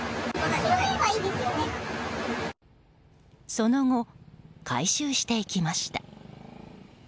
その後、回収していきました。